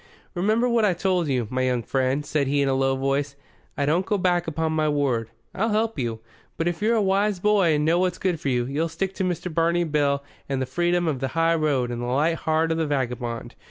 "Remember what I told you, my young friend," said he in a low voice. "I don't go back upon my word. I'll help you. But if you're a wise boy and know what's good for you, you'll stick to Mr. Barney Bill and the freedom of the high road and the light heart of the vagabond.